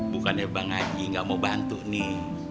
bukannya bang haji gak mau bantu nih